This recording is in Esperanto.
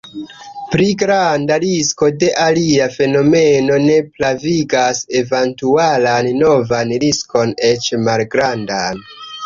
Pli granda risko de alia fenomeno ne pravigas eventualan novan riskon eĉ malgrandan.